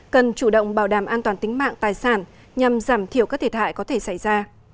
cần chủ động bảo đảm an toàn tính mạng tài sản nhằm giảm thiểu các thiệt hại có thể xảy ra